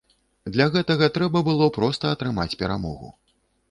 Для гэтага трэба было проста атрымаць перамогу.